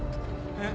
えっ。